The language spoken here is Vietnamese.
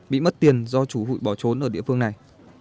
bị mất tiền do chủ hụi bỏ trốn ở địa phương này